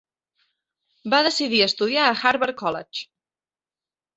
Va decidir estudiar a Harvard College.